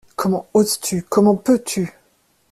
Comment oses-tu, comment peux-tu?